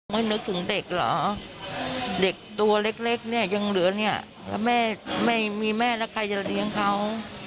นึกถึงเด็กเหรอเด็กตัวเล็กเนี่ยยังเหลือเนี่ยแล้วแม่ไม่มีแม่แล้วใครจะเลี้ยงเขา